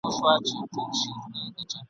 د بدي خبري سل کاله عمر وي !.